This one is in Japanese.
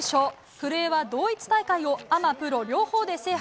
古江は同一大会をアマ、プロ両方で制覇。